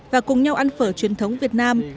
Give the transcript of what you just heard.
và cùng nhau ăn phở truyền thống việt nam